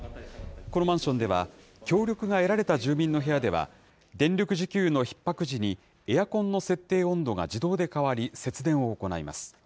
このマンションでは、協力が得られた住民の部屋では、電力需給のひっ迫時に、エアコンの設定温度が自動で変わり、節電を行います。